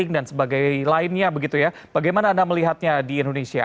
dan sebagai lainnya bagaimana anda melihatnya di indonesia